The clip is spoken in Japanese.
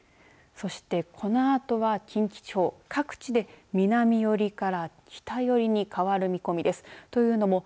そしてこのあとは近畿地方、各地で南寄りから北寄りに変わる見込みです。